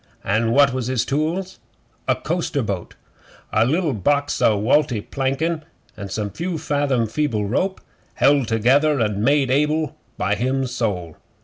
An' what was his tools? A coaster boat a liddle box o' walty plankin' an' some few fathom feeble rope held together an' made able by him sole.